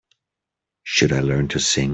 Should I learn to sing?